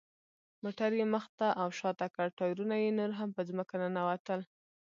موټر یې مخ ته او شاته کړ، ټایرونه یې نور هم په ځمکه ننوتل.